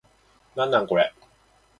なんなんこれ